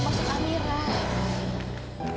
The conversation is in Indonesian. kayak gitu maksud amirah